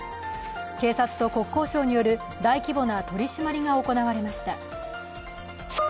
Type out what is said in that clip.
警察と国交省による大規模な取り締まりが行われました。